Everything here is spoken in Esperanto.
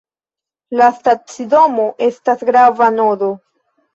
La stacidomo estas grava nodo.